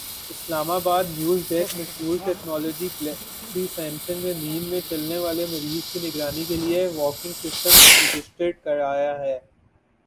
اسلام آبادنیو زڈیسک مشہور ٹیکنالوجی گلیکسی سامسنگ نے نیند میں چلنے والے مریض کی نگرانی کیلئے والکنگ سسٹم رجسٹرڈ کرایا ہے